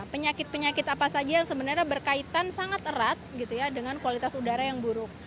penyakit penyakit apa saja yang sebenarnya berkaitan sangat erat gitu ya dengan kualitas udara yang buruk